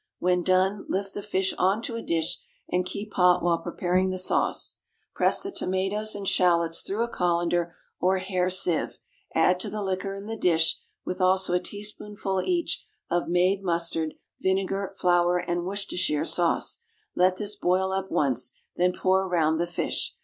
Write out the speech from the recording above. When done, lift the fish on to a dish and keep hot while preparing the sauce. Press the tomatoes and shallots through a colander or hair sieve, add to the liquor in the dish, with also a teaspoonful each of made mustard, vinegar, flour, and Worcestershire sauce; let this boil up once, then pour round the fish.